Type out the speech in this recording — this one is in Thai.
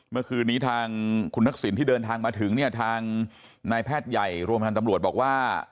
เมื่อคืนนี้ทางคุณนักศีลที่เดินทางมาถึงทางนายแพทย์ใหญ่โรงพยาบาลตำรวจบอกว่า